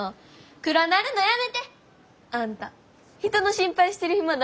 暗なるのやめて！あんた人の心配してる暇ないやろ。